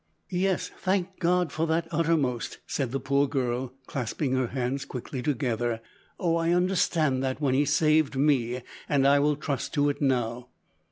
"Yes, thank God for that `uttermost,'" said the poor girl, clasping her hands quickly together. "Oh, I understood that when He saved me, and I will trust to it now."